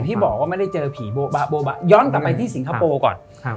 ที่บอกว่าไม่ได้เจอผีโบบะย้อนกลับไปที่สิงคโปร์ก่อนครับ